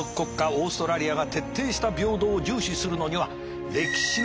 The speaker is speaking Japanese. オーストラリアが徹底した平等を重視するのには歴史の物語があります。